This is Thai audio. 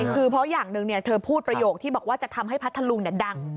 คือเพราะอย่างหนึ่งเธอพูดประโยคที่บอกว่าจะทำให้พัทธลุงดัง